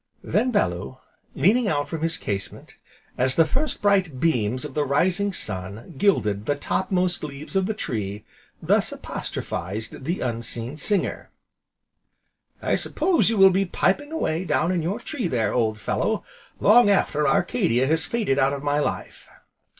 Then Bellew, leaning out from his casement, as the first bright beams of the rising sun gilded the top most leaves of the tree, thus apostrophised the unseen singer: "I suppose you will be piping away down in your tree there, old fellow, long after Arcadia has faded out of my life.